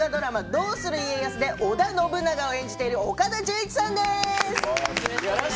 「どうする家康」で織田信長を演じている岡田准一さんです。